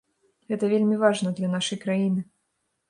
Гэта вельмі важна для нашай краіны.